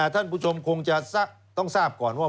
ท่านผู้ชมคงจะต้องทราบก่อนว่า